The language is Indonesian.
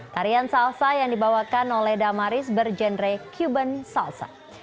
tarian salsa yang dibawakan oleh damaris berjenre cuben salsa